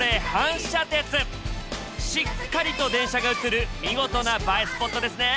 しっかりと電車が映る見事な映えスポットですね！